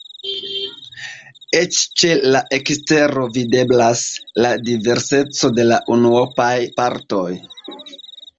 Eĉ ĉe la ekstero videblas la diverseco de la unuopaj partoj.